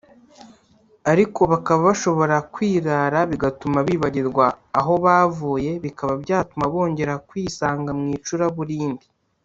ariko bakaba bashobora kwirara bigatuma bibagirwa aho bavuye bikaba byatuma bongera kwisanga mu icuraburindi